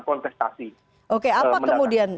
kontestasi oke apa kemudian